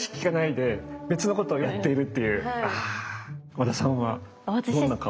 和田さんはどんな顔して？